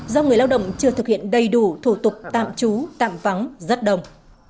do người lao động chưa thực hiện đầy đủ thủ tục tạm trú tạm vắng rất đông